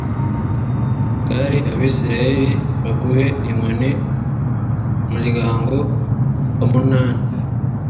bwira abisirayeli baguhe inkoni umuryango wa munani